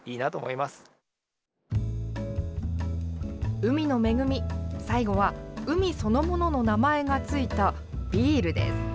海の恵み、最後は海そのものの名前が付いたビールです。